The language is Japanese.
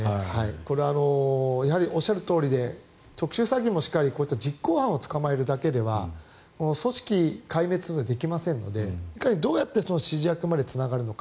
これ、おっしゃるとおりで特殊詐欺もしかり実行犯を捕まえるだけでは組織壊滅はできませんのでどうやって指示役までつながるのか。